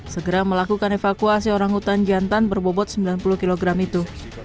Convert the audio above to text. segera melakukan evakuasi orang hutan jantan berbobot sembilan puluh kg itu